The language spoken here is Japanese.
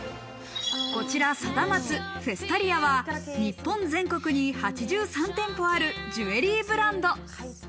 こちらサダマツフェスタリアは日本全国に８３店舗あるジュエリーブランド。